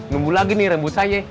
numbuh lagi nih rambut saya